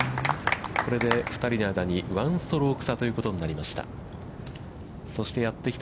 これで２人の間に１ストローク差ということになりました。